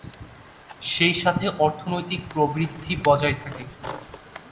সেই সাথে অর্থনৈতিক প্রবৃদ্ধি বজায় থাকে।